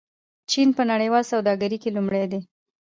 چین په نړیواله سوداګرۍ کې لومړی دی.